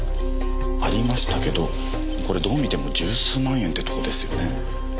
ありましたけどこれどう見ても十数万円ってとこですよね。